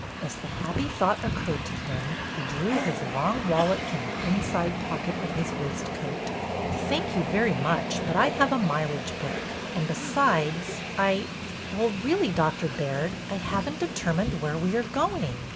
As the happy thought occurred to him, he drew his long wallet from the inside pocket of his waistcoat. "Thank you very much, but I have a mile age book. And besides, I — well, really. Doctor Baird, I have n't determined where we are going.